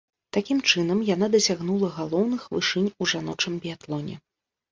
Такім чынам, яна дасягнула галоўных вышынь у жаночым біятлоне.